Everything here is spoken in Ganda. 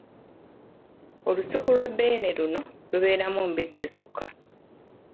Olusuku lwa Beene luno lubeeramu mbidde zokka.